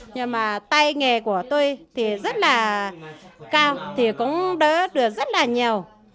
nhưng mà tay nghề của tôi thì rất là cao thì cũng đỡ được rất là nhiều